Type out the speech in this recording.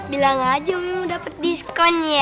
bilang aja mau dapet diskon ya